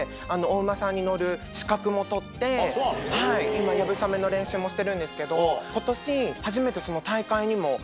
今流鏑馬の練習もしてるんですけど。